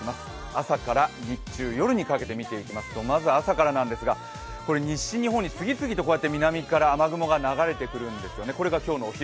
朝から日中、夜にかけてみていきますとまず朝からなんですが、西日本に次々と南から雨雲が流れてくるんですよね、これが今日のお昼。